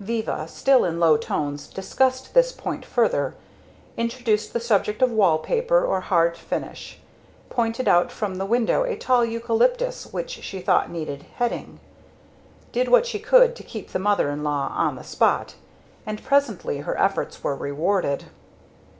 Viva, still in low tones, discussed this point further; introduced the subject of wall paper or hard finish; pointed out from the window a tall eucalyptus which she thought needed heading; did what she could to keep her mother in law on the spot; and presently her efforts were rewarded.